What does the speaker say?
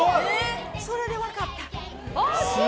それで分かった。